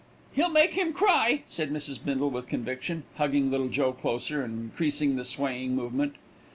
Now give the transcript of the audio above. "He'll make him cry," said Mrs. Bindle with conviction, hugging Little Joe closer and increasing the swaying movement.